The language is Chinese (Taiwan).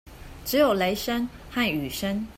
只有雷聲和雨聲